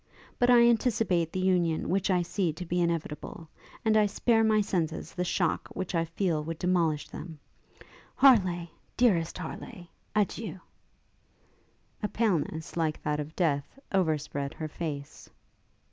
But I anticipate the union which I see to be inevitable, and I spare my senses the shock which I feel would demolish them. Harleigh! dearest Harleigh, Adieu!' A paleness like that of death overspread her face.